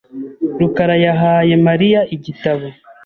rukara yahaye Mariya igitabo .